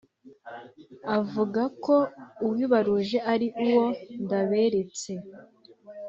Avuga ko uwibaruje ari uwo Ndaberetse